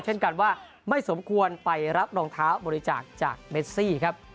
เช่นกันว่าไม่สมควรไปรับรองเท้าบริจาคจากเมซี่ครับ